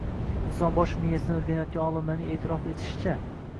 Inson bosh miyasini o‘rganayotgan olimlarning e’tirof etishicha